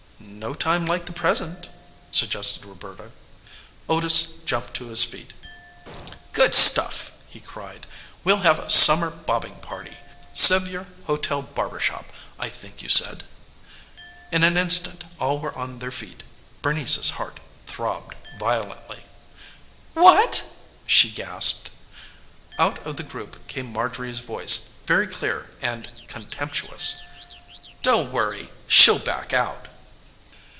"No time like the present," suggested Roberta. Otis jumped to his feet. "Good stuff!" he cried. "We'll have a summer bobbing party. Sevier Hotel barber shop, I think you said." In an instant all were on their feet. Bernice's heart throbbed violently. "What?" she gasped. Out of the group came Marjorie's voice, very clear and contemptuous. "Don't worry she'll back out!"